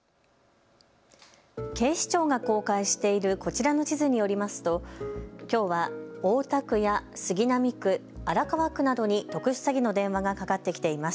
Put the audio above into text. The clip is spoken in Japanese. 警視庁が公開しているこちらの地図によりますときょうは大田区や杉並区、荒川区などに特殊詐欺の電話がかかってきています。